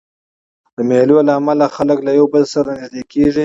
د مېلو له امله خلک له یو بل سره نږدې کېږي.